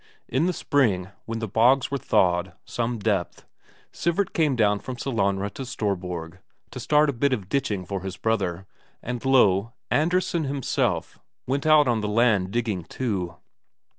In the spring, when the bogs were thawed some depth, Sivert came down from Sellanraa to Storborg, to start a bit of ditching for his brother, and lo, Andresen himself went out on the land digging too.